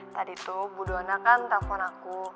tadi tuh bu dona kan telepon aku